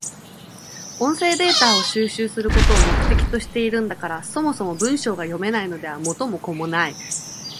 音声データを収集することを目的としているんだから、そもそも文章が読めないのでは元も子もない。